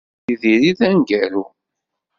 D Yidir i d aneggaru.